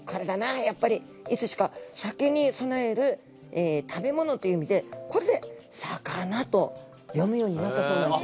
いつしか酒にそなえる食べ物という意味でこれで酒菜と読むようになったそうなんです。